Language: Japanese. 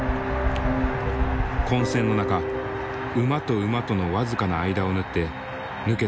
混戦の中馬と馬との僅かな間を縫って抜け出してきた。